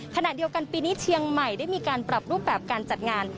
ขณะเดียวกันปีนี้เชียงใหม่ได้มีการปรับรูปแบบการจัดงาน